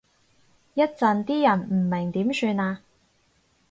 一陣啲人唔明點算啊？